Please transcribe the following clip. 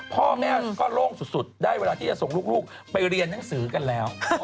พ่อแม่ก็โล่งสุดได้เวลาที่จะส่งลูกไปเรียนหนังสือกันแล้ว